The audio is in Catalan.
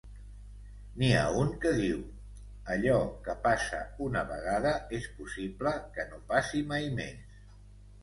N'hi ha un que diu: allò que passa una vegada, és possible que no passi mai més.